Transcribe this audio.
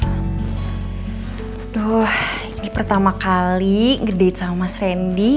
aduh ini pertama kali ngedete sama mas randy